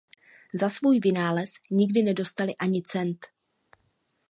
Za svůj vynález nikdy nedostali ani cent.